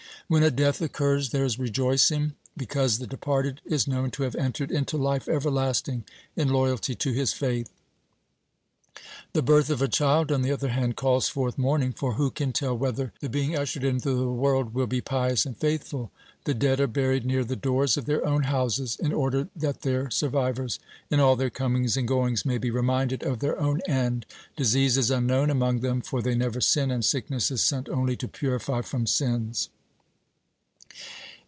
When a death occurs, there is rejoicing, because the departed is known to have entered into life everlasting in loyalty to his faith. The birth of a child, on the other hand, calls forth mourning, for who can tell whether the being ushered into the world will be pious and faithful? The dead are buried near the doors of their own houses, in order that their survivors, in all their comings and goings, may be reminded of their own end. Disease is unknown among them, for they never sin, and sickness is sent only to purify from sins.